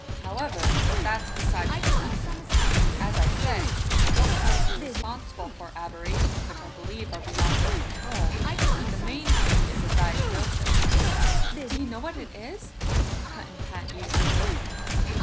However, that's beside the point; as I say, I don't hold you responsible for aberrations which I believe are beyond your control. The main thing is a diagnosis." "Do you know what it is?" cut in Pat eagerly.